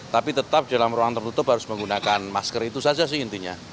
tapi tetap di dalam ruang tertutup harus menggunakan masker itu saja sih intinya